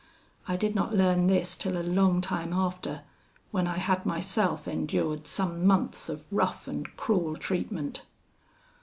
I did not learn this till a long time after, when I had myself endured some months of rough and cruel treatment.